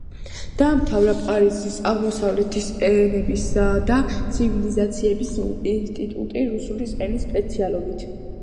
დაამთავრა პარიზის აღმოსავლეთის ენებისა და ცივილიზაციების ინსტიტუტი რუსული ენის სპეციალობით.